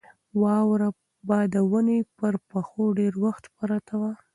واوره به د ونې پر پښو ډېر وخت پرته وي.